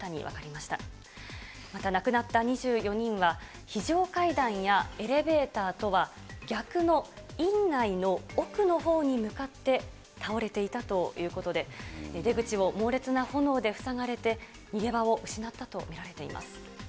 また亡くなった２４人は、非常階段やエレベーターとは逆の院内の奥のほうに向かって倒れていたということで、出口を猛烈な炎で塞がれて、逃げ場を失ったと見られています。